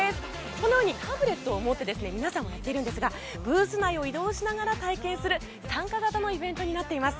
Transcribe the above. このようにタブレットを持って皆さん、やっているんですがブース内を移動しながら体験する参加型のイベントになっています。